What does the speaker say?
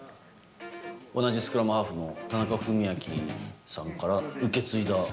同じスクラムハーフの田中史朗さんから受け継いだ。